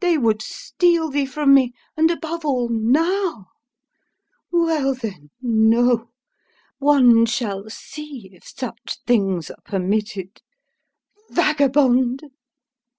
They would steal thee from me and above all, now! Well then, no! One shall see if such things are permitted! Vagabond!"